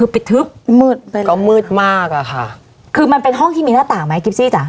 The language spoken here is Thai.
คือปิดทึบมืดไปแล้วก็มืดมากอะค่ะคือมันเป็นห้องที่มีหน้าตาไหม